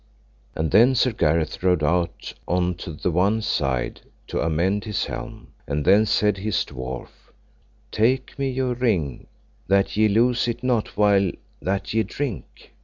And then Sir Gareth rode out on the one side to amend his helm; and then said his dwarf: Take me your ring, that ye lose it not while that ye drink.